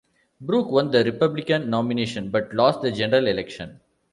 Brooke won the Republican nomination, but lost the general election.